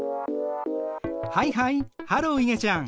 はいはいハローいげちゃん。